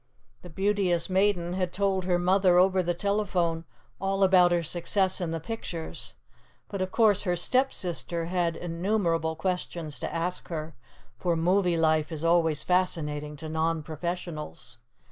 The Beauteous Maiden had told her mother over the telephone all about her success in the pictures; but of course her Stepsister had innumerable questions to ask her, for movie life is always fascinating to non professionals.